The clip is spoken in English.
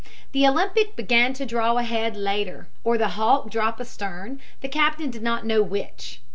The Olympic began to draw ahead later or the Hawke drop astern, the captain did not know which.